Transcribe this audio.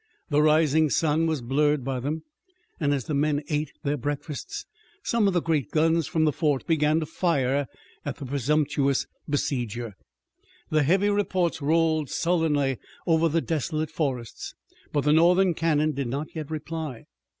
The rising sun was blurred by them, and as the men ate their breakfasts some of the great guns from the fort began to fire at the presumptuous besieger. The heavy reports rolled sullenly over the desolate forests, but the Northern cannon did not yet reply.